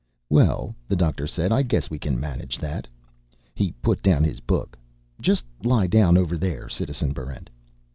"Well," the doctor said, "I guess we can manage that." He put down his book. "Just lie down over there, Citizen Barrent."